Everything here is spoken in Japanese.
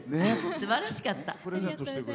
すばらしかった。